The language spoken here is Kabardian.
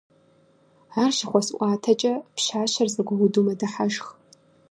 Ар щыхуэсӀуатэкӀэ, пщащэр зэгуэуду мэдыхьэшх.